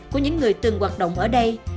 của những người từng hoạt động ở đây